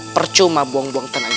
percuma buang buang tenaga saja